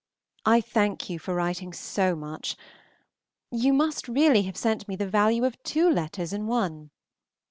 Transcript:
I thank you for writing so much; you must really have sent me the value of two letters in one.